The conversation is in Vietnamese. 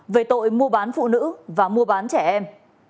về tội mua bán phụ nữ và mua bán trẻ em